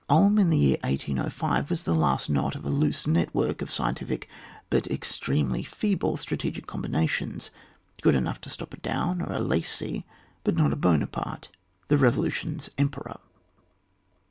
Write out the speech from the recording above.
Ulm, in the year 1805, was the last knot of a loose network of scientific but extremely feeble strategic combinations, food enough to stop a Daun or a Lascy ut not a Buonaparte, the Bevolution's Emperor.